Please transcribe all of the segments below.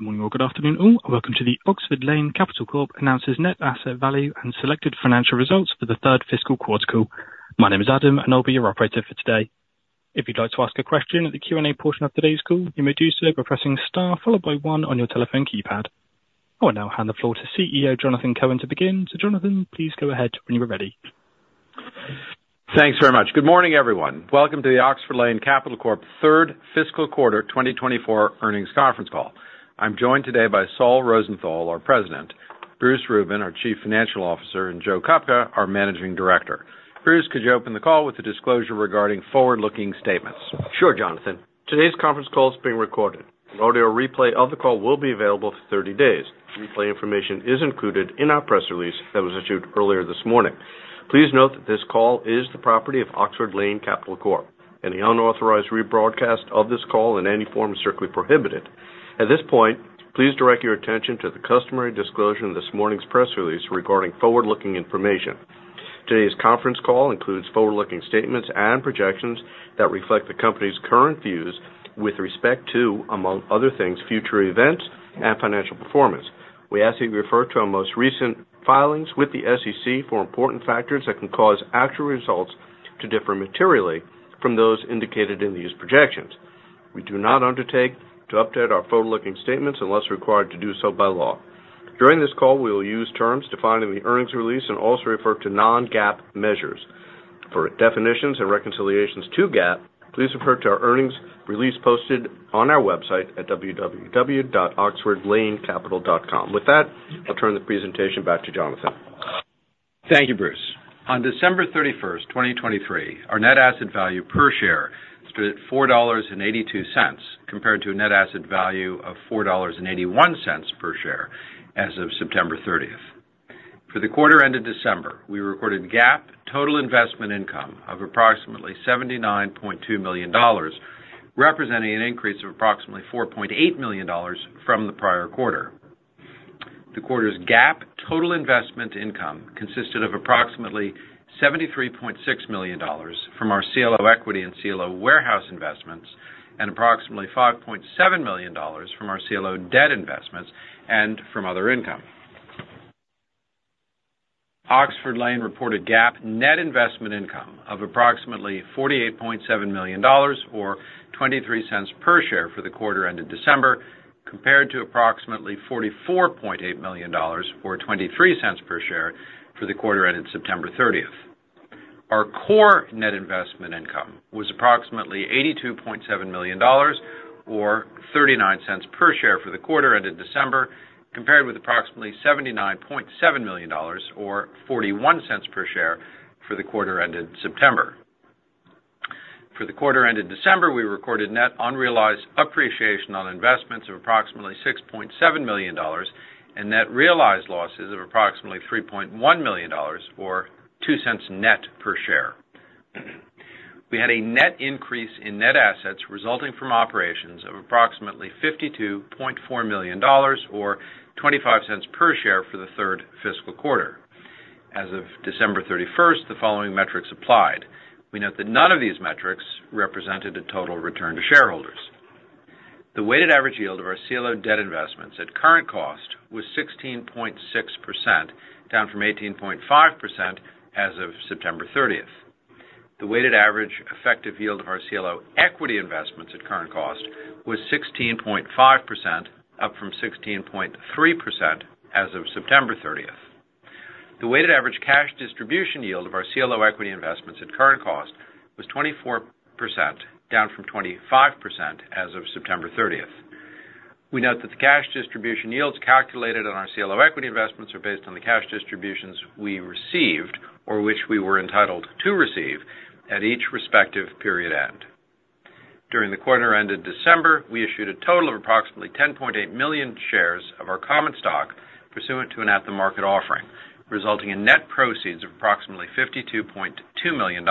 Good morning or good afternoon, all. Welcome to the Oxford Lane Capital Corp. announces net asset value and selected financial results for the third fiscal quarter call. My name is Adam, and I'll be your operator for today. If you'd like to ask a question at the Q&A portion of today's call, you may do so by pressing star followed by one on your telephone keypad. I will now hand the floor to CEO, Jonathan Cohen, to begin. So Jonathan, please go ahead when you are ready. Thanks very much. Good morning, everyone. Welcome to the Oxford Lane Capital Corp third fiscal quarter 2024 earnings conference call. I'm joined today by Saul Rosenthal, our President, Bruce Rubin, our Chief Financial Officer, and Joe Kupka, our Managing Director. Bruce could you open the call with a disclosure regarding forward-looking statements? Sure, Jonathan. Today's conference call is being recorded. An audio replay of the call will be available for 30 days. Replay information is included in our press release that was issued earlier this morning. Please note that this call is the property of Oxford Lane Capital Corp. and the unauthorized rebroadcast of this call in any form is strictly prohibited. At this point, please direct your attention to the customary disclosure in this morning's press release regarding forward-looking information. Today's conference call includes forward-looking statements and projections that reflect the company's current views with respect to among other things, future events and financial performance. We ask that you refer to our most recent filings with the SEC for important factors that can cause actual results to differ materially from those indicated in these projections. We do not undertake to update our forward-looking statements unless we're required to do so by law. During this call we will use terms defined in the earnings release and also refer to non-GAAP measures. For definitions and reconciliations to GAAP, please refer to our earnings release posted on our website at www.oxfordlanecapital.com. With that I'll turn the presentation back to Jonathan. Thank you, Bruce. On December 31, 2023, our net asset value per share stood at $4.82, compared to a net asset value of $4.81 per share as of September 30. For the quarter ended December we recorded GAAP total investment income of approximately $79.2 million, representing an increase of approximately $4.8 million from the prior quarter. The quarter's GAAP total investment income consisted of approximately $73.6 million from our CLO equity and CLO warehouse investments, and approximately $5.7 million from our CLO debt investments and from other income. Oxford Lane reported GAAP net investment income of approximately $48.7 million or $0.23 per share for the quarter ended December compared to approximately $44.8 million or $0.23 per share for the quarter ended September 30. Our core net investment income was approximately $82.7 million, or $0.39 per share for the quarter ended December compared with approximately $79.7 million or $0.41 per share for the quarter ended September. For the quarter ended December we recorded net unrealized appreciation on investments of approximately $6.7 million and net realized losses of approximately $3.1 million or $0.02 net per share. We had a net increase in net assets resulting from operations of approximately $52.4 million or $0.25 per share for the third fiscal quarter. As of December thirty-first, the following metrics applied. We note that none of these metrics represented a total return to shareholders. The weighted average yield of our CLO debt investments at current cost was 16.6%, down from 18.5% as of September thirtieth. The weighted average effective yield of our CLO equity investments at current cost was 16.5%, up from 16.3% as of September thirtieth. The weighted average cash distribution yield of our CLO equity investments at current cost was 24%, down from 25% as of September thirtieth. We note that the cash distribution yields calculated on our CLO equity investments are based on the cash distributions we received, or which we were entitled to receive, at each respective period end. During the quarter ended December, we issued a total of approximately 10.8 million shares of our common stock, pursuant to an at-the-market offering, resulting in net proceeds of approximately $52.2 million.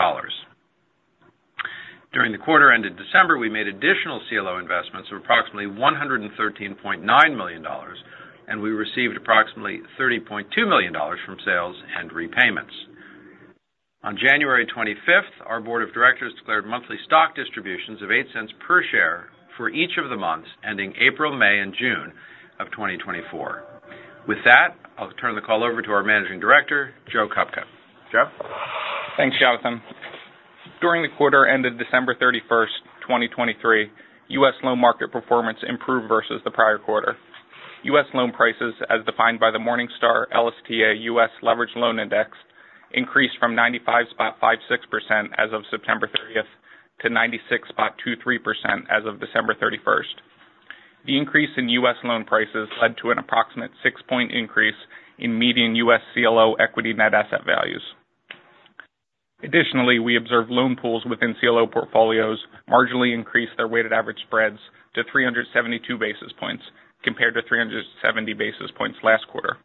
During the quarter end of December, we made additional CLO investments of approximately $113.9 million, and we received approximately $30.2 million from sales and repayments. On January 25th, our board of directors declared monthly stock distributions of $0.08 per share for each of the months, ending April, May, and June of 2024. With that, I'll turn the call over to our Managing Director, Joe Kupka. Joe? Thanks, Jonathan. During the quarter end of December 31, 2023, US loan market performance improved versus the prior quarter. US loan prices, as defined by the Morningstar LSTA US Leveraged Loan Index, increased from 95.56% as of September 30 to 96.23% as of December 31. The increase in US loan prices led to an approximate 6-point increase in median US CLO equity net asset values. Additionally, we observed loan pools within CLO portfolios marginally increased their weighted average spreads to 372 basis points, compared to 370 basis points last quarter.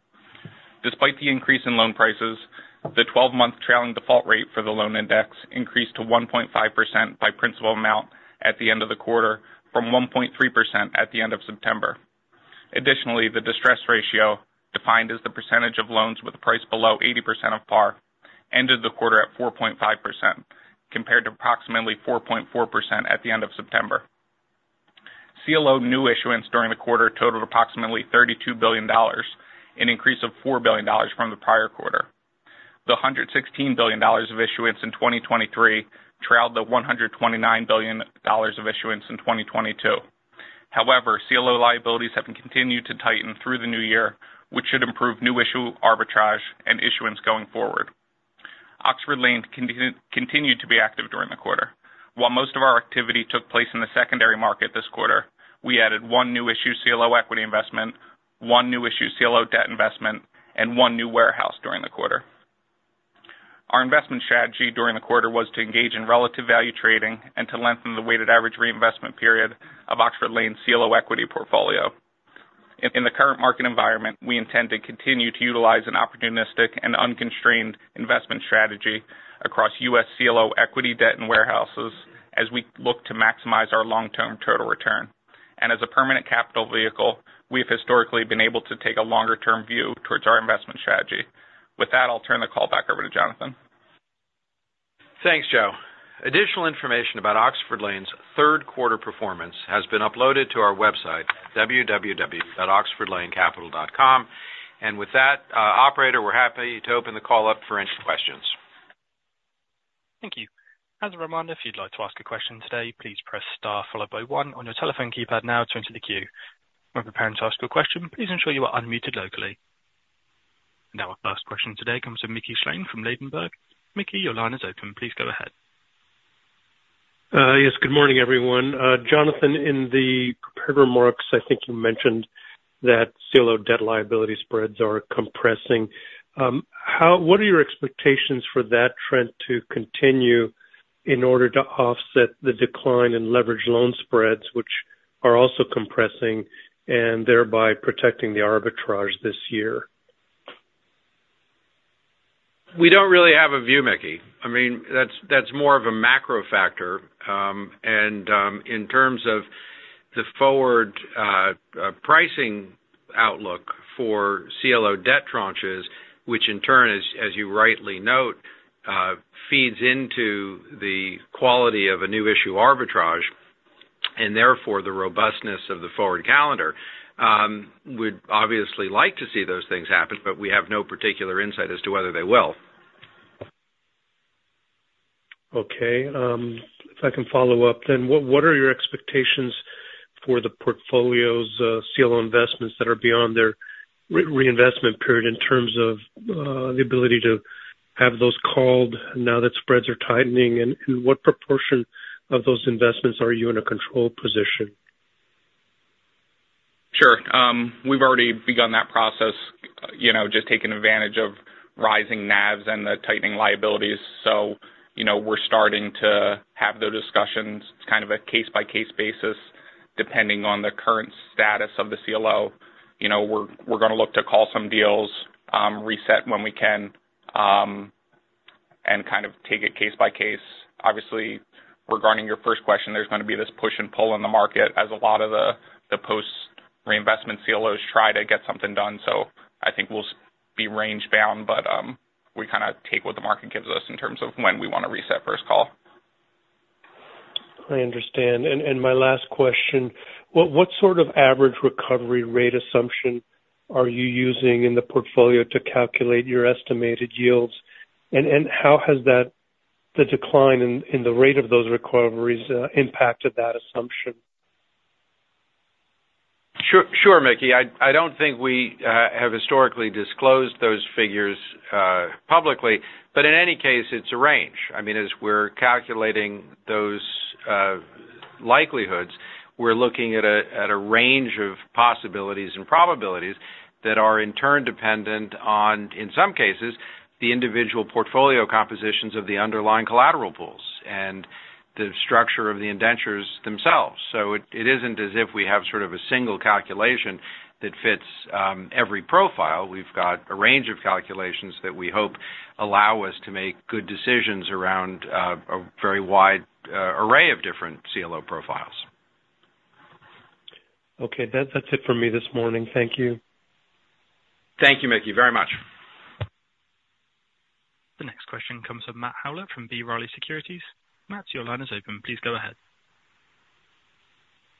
Despite the increase in loan prices, the 12-month trailing default rate for the loan index increased to 1.5% by principal amount at the end of the quarter from 1.3% at the end of September. Additionally, the distress ratio, defined as the percentage of loans with a price below 80% of par, ended the quarter at 4.5% compared to approximately 4.4% at the end of September. CLO new issuance during the quarter totaled approximately $32 billion, an increase of $4 billion from the prior quarter. The $116 billion of issuance in 2023 trailed the $129 billion of issuance in 2022. However, CLO liabilities have continued to tighten through the new year, which should improve new issue arbitrage and issuance going forward. Oxford Lane continued to be active during the quarter. While most of our activity took place in the secondary market this quarter, we added one new issue CLO equity investment, one new issue CLO debt investment, and one new warehouse during the quarter. Our investment strategy during the quarter was to engage in relative value trading and to lengthen the weighted average reinvestment period of Oxford Lane's CLO equity portfolio. In the current market environment, we intend to continue to utilize an opportunistic and unconstrained investment strategy across US CLO equity, debt, and warehouses as we look to maximize our long-term total return. And as a permanent capital vehicle, we have historically been able to take a longer term view towards our investment strategy. With that, I'll turn the call back over to Jonathan. Thanks, Joe. Additional information about Oxford Lane's third quarter performance has been uploaded to our website, www.oxfordlanecapital.com. With that, operator, we're happy to open the call up for any questions. Thank you. As a reminder, if you'd like to ask a question today, please press star followed by one on your telephone keypad now to enter the queue. When preparing to ask a question, please ensure you are unmuted locally. Now our first question today comes from Mickey Schleien from Ladenburg. Mickey, your line is open. Please go ahead. Yes, good morning, everyone. Jonathan, in the prepared remarks, I think you mentioned that CLO debt liability spreads are compressing. What are your expectations for that trend to continue in order to offset the decline in leveraged loan spreads, which are also compressing and thereby protecting the arbitrage this year? We don't really have a view, Mickey. I mean, that's more of a macro factor. In terms of the forward pricing outlook for CLO debt tranches, which in turn, as you rightly note, feeds into the quality of a new issue arbitrage, and therefore the robustness of the forward calendar. We'd obviously like to see those things happen, but we have no particular insight as to whether they will. Okay, if I can follow up then, what are your expectations for the portfolio's CLO investments that are beyond their reinvestment period in terms of the ability to have those called now that spreads are tightening? And what proportion of those investments are you in a control position? Sure. We've already begun that process, you know, just taking advantage of rising NAVs and the tightening liabilities. So, you know, we're starting to have those discussions. It's kind of a case-by-case basis, depending on the current status of the CLO. You know, we're gonna look to call some deals, reset when we can, and kind of take it case by case. Obviously, regarding your first question, there's gonna be this push and pull in the market as a lot of the post reinvestment CLOs try to get something done. So I think we'll be range bound, but we kind of take what the market gives us in terms of when we want to reset first call. I understand. And my last question, what sort of average recovery rate assumption are you using in the portfolio to calculate your estimated yields? And how has that, the decline in the rate of those recoveries, impacted that assumption? Sure, sure, Mickey. I don't think we have historically disclosed those figures publicly, but in any case, it's a range. I mean, as we're calculating those likelihoods, we're looking at a range of possibilities and probabilities that are in turn dependent on, in some cases, the individual portfolio compositions of the underlying collateral pools and the structure of the indentures themselves. So it isn't as if we have sort of a single calculation that fits every profile. We've got a range of calculations that we hope allow us to make good decisions around a very wide array of different CLO profiles. Okay. That's it for me this morning. Thank you. Thank you, Mickey, very much. The next question comes from Matt Howlett, from B. Riley Securities. Matt, your line is open. Please go ahead.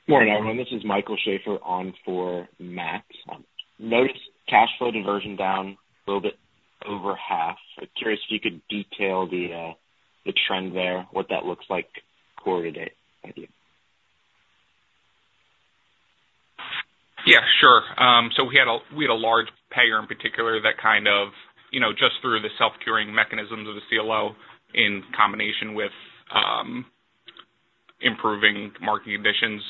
Morning, everyone. This is Michael Schaefer on for Matt. Notice cash flow diversion down a little bit over half. I'm curious if you could detail the, the trend there, what that looks like quarter to date maybe. Yeah, sure. So we had a large payer in particular that kind of, you know, just through the self-curing mechanisms of the CLO in combination with improving market conditions,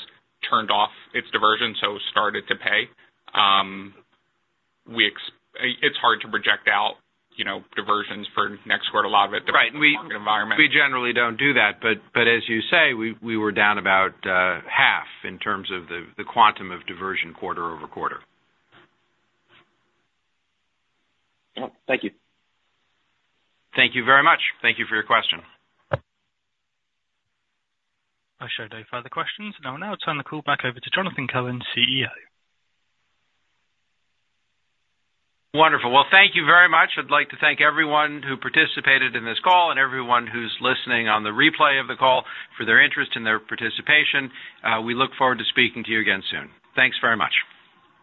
turned off its diversion, so started to pay. It's hard to project out, you know, diversions for next quarter. A lot of it- Right. -environment. We generally don't do that, but as you say, we were down about half in terms of the quantum of diversion quarter over quarter. Yep. Thank you. Thank you very much. Thank you for your question. I show no further questions, and I will now turn the call back over to Jonathan Cohen, CEO. Wonderful. Well, thank you very much. I'd like to thank everyone who participated in this call and everyone who's listening on the replay of the call for their interest and their participation. We look forward to speaking to you again soon. Thanks very much.